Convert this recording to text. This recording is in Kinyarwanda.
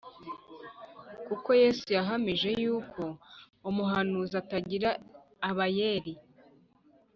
kuko Yesu yahamije yuko umuhanuzi atagira abayeri